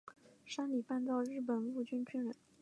山梨半造日本陆军军人。